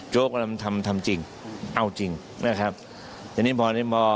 โจ๊กทำจริงเอาจริงนะครับ